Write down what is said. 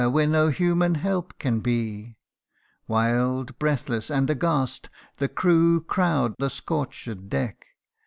where no human help can be ! Wild, breathless, and aghast, the crew Crowd the scorch'd deck.